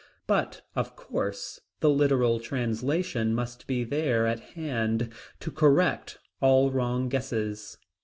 But of course the literal translation must be there at hand to correct all wrong guesses.